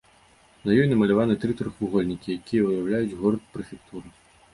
На ёй намаляваны тры трохвугольнікі, якія ўяўляюць горы прэфектуры.